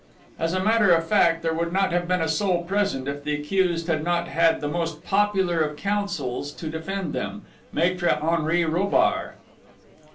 As a matter of fact, there would not have been a soul present, if the accused had not had the most popular of counsels to defend them Maître Henri Robart!